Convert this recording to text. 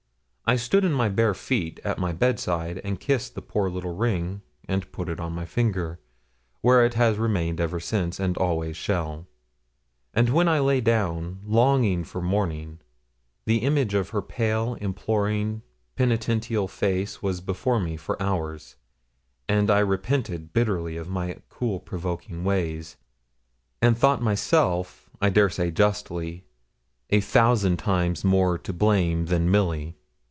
I stood in my bare feet at my bedside, and kissed the poor little ring and put it on my finger, where it has remained ever since and always shall. And when I lay down, longing for morning, the image of her pale, imploring, penitential face was before me for hours; and I repented bitterly of my cool provoking ways, and thought myself, I dare say justly, a thousand times more to blame than Milly.